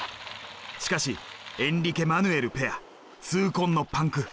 しかしエンリケマヌエルペア痛恨のパンク。